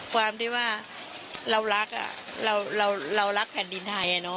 ความที่ว่าเรารักเรารักแผ่นดินไทย